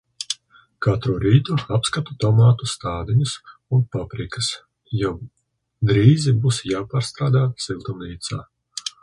Katru rītu apskatu tomātu stādiņus un paprikas, jo drīzi būs jāpārstāda siltumnīcā.